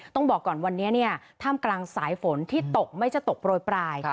ต้องบอกก่อนวันนี้ท่ามกลางสายฝนที่ตกไม่จะตกโรยปลาย